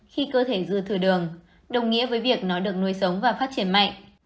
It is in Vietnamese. khi cơ thể dư thừa đường đồng nghĩa với việc nó được nuôi sống và phát triển mạnh